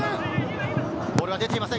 ボールは出ていません。